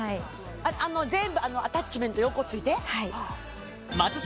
あの全部アタッチメント横ついて？